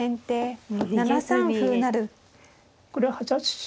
これは８八飛車